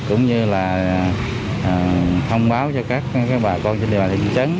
cũng như là thông báo cho các bà con trên địa bàn thị trấn